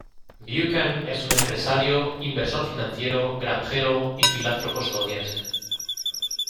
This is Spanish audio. Buchan es un empresario, inversor financiero, granjero y filántropo estadounidense.